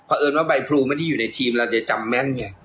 เพราะเอิญว่าใบพลูไม่ได้อยู่ในทีมเราจะจำแม่นไง